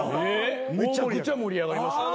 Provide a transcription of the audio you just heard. めちゃくちゃ盛り上がりました。